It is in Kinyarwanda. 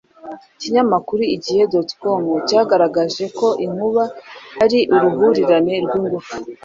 Ikinyamakuru Igihe.com cyagaragaje ko inkuba ari uruhurirane rw’ingufu